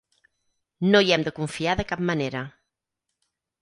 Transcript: No hi hem de confiar de cap manera.